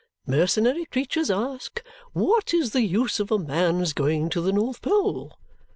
Mercenary creatures ask, 'What is the use of a man's going to the North Pole?